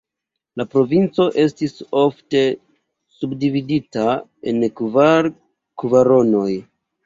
La provinco estis ofte subdividita en kvar kvaronoj.